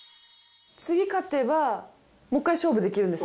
次勝てばもう１回勝負できるんですか？